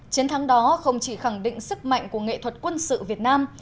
chiến thắng đó không chỉ khẳng định sức mạnh của nghệ thuật quân sự việt nam